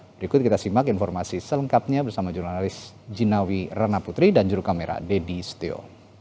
berikut kita simak informasi selengkapnya bersama jurnalist jinawi rana putri dan juru kamera deddy stio